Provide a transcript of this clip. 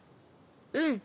うん。